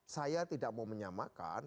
saya tidak mau menyamakan